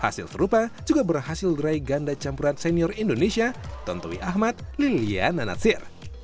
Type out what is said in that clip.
hasil serupa juga berhasil gerai ganda campuran senior indonesia tontowi ahmad liliana natsir